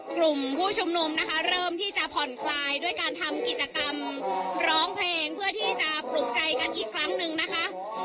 กลุ่มผู้ชุมนุมนะคะเริ่มที่จะผ่อนคลายด้วยการทำกิจกรรมร้องเพลงเพื่อที่จะปลุกใจกันอีกครั้งหนึ่งนะคะ